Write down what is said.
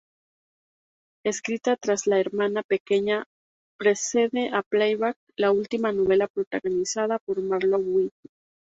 Escrita tras "La Hermana Pequeña", precede a "Playback", la última novela protagonizada por Marlowe.